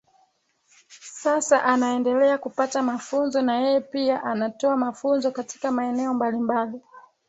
Sasa anaendelea kupata mafunzo na yeye pia anatoa mafunzo katika maeneo mbalimbali